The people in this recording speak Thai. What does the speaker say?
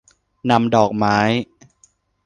นำดอกไม้